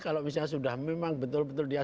kalau misalnya sudah memang betul betul dia